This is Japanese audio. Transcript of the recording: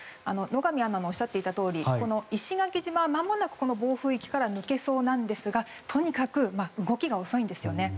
野上アナがおっしゃっていたとおり石垣島はまもなく暴風域から抜けそうなんですがとにかく動きが遅いんですね。